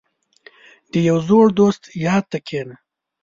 • د یو زوړ دوست یاد ته کښېنه.